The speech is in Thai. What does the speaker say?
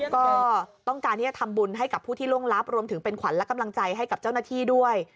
ก็ต้องการที่จะทำบุญให้กับผู้ที่ล่วงลับรวมถึงเป็นขวัญและกำลังใจให้กับเจ้าหน้าที่ด้วย